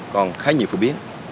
còn khá nhiều phổ biến